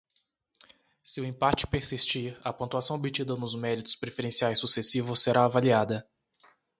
Se o empate persistir, a pontuação obtida nos méritos preferenciais sucessivos será avaliada.